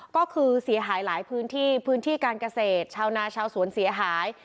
ก็คือเสียหายหลายพื้นที่พื้นที่การเกษตรชาวนาชาวสวนเสียหาย